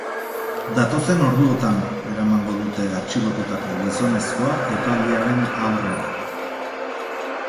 Datozen orduotan eramango dute atxilotutako gizonezkoa epailearen aurrera.